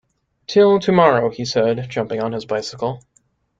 “Till to-morrow,” he said, jumping on his bicycle.